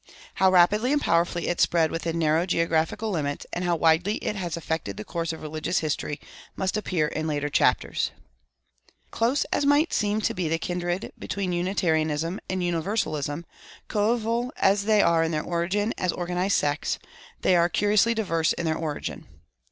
How rapidly and powerfully it spread within narrow geographical limits, and how widely it has affected the course of religious history, must appear in later chapters. Close as might seem to be the kindred between Unitarianism and Universalism, coeval as they are in their origin as organized sects, they are curiously diverse in their origin.